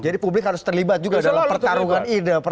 jadi publik harus terlibat juga dalam pertarungan ide